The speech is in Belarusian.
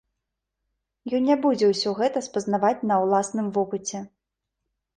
Ён не будзе ўсё гэта спазнаваць на ўласным вопыце.